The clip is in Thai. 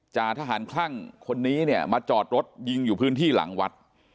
จ่าทหารคลั่งคนนี้เนี่ยมาจอดรถยิงอยู่พื้นที่หลังวัด